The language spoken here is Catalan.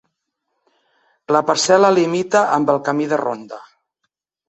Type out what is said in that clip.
La parcel·la limita amb el camí de ronda.